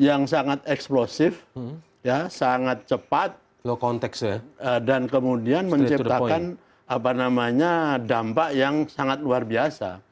yang sangat eksplosif sangat cepat dan kemudian menciptakan dampak yang sangat luar biasa